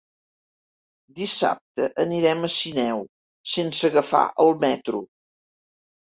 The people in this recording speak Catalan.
Dissabte anirem a Sineu sense agafar el metro.